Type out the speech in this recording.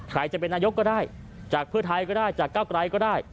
ใครจะเป็นนายกก็ได้จากเพื่อไทยก็ได้จากเก้าไกลก็ได้